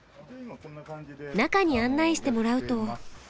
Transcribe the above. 中に案内してもらうと。